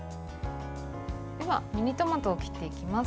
では、ミニトマトを切っていきます。